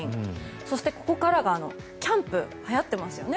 そして、ここからがキャンプ、はやってますよね。